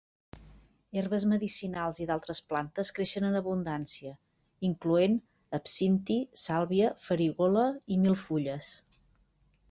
Herbes medicinals i d'altres plantes creixen en abundància, incloent absinti, sàlvia, farigola i milfulles.